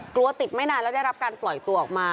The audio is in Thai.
กลัวติดไม่นานแล้วได้รับการปล่อยตัวออกมา